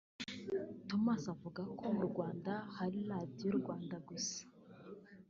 Thomas avuga ko mu Rwanda hari radiyo Rwanda gusa